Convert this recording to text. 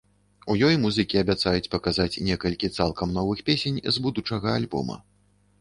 У ёй музыкі абяцаюць паказаць некалькі цалкам новых песень з будучага альбома.